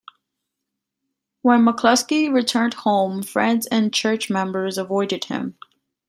When McCluskey returned home, friends and church members avoided him.